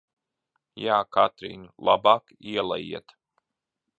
Jā, Katrīn, labāk ielejiet!